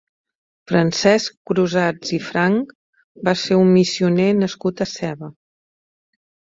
Francesc Crusats i Franch va ser un missioner nascut a Seva.